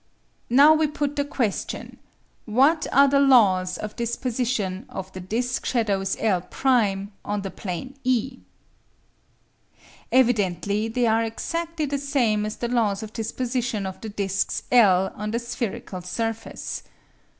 Now we put the question, What are the laws of disposition of the disc shadows L' on the plane E? Evidently they are exactly the same as the laws of disposition of the discs L on the spherical surface.